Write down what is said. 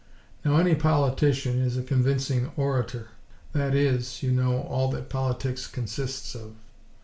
Now, any politician is a convincing orator. (That is, you know, all that politics consists of!)